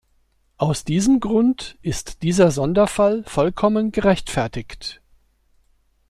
Aus diesem Grund ist dieser Sonderfall vollkommen gerechtfertigt.